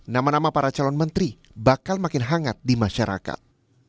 nama nama para calon menteri bakal makin hangat di masyarakat